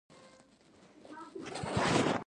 هر څوک دا ادعا نه مني